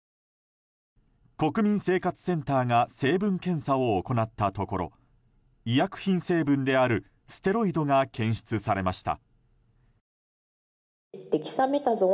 国民生活センターが成分検査を行ったところ医薬品成分であるステロイドが検出されました。